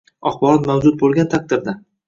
axborot mavjud bo‘lgan taqdirda